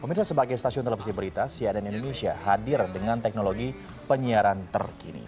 pemirsa sebagai stasiun televisi berita cnn indonesia hadir dengan teknologi penyiaran terkini